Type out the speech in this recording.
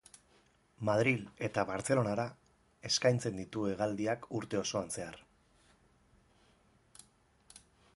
Madril eta Bartzelonara eskaintzen ditu hegaldiak urte osoan zehar.